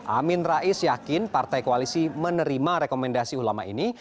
amin rais yakin partai koalisi menerima rekomendasi ulama ini